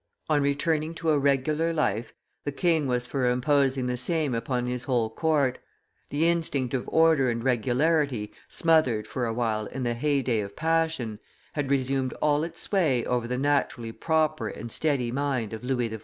On returning to a regular life, the king was for imposing the same upon his whole court; the instinct of order and regularity, smothered for a while in the heyday of passion, had resumed all its sway over the naturally proper and steady mind of Louis XIV.